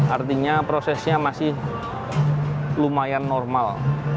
artinya prosesnya masih lumayan normal